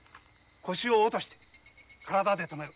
腰を落として体で止める。